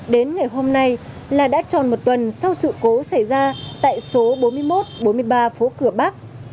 đến ngày hôm nay là đã tròn một tuần sau sự cố xảy ra tại số bốn mươi một bốn mươi ba phố cửa bắc